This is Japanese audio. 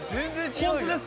本当です